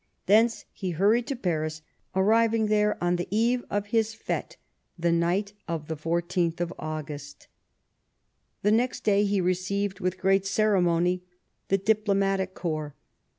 Thence he hurried to Paris, arriving there on the eve of his/e^e, the night of the 14th of August. The next day he received, with great ceremony, the diplomatic corps.